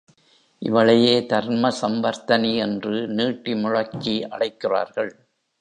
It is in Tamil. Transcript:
இவளையே தர்ம சம்வர்த்தனி என்று நீட்டி முழக்கி அழைக்கிறார்கள்.